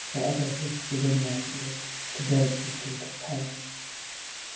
For ever hiss within mine ears To break the sleep of pain.